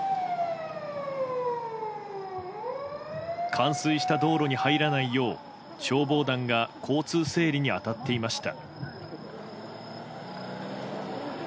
冠水した道路に入らないよう消防団が交通整理に当たっていました。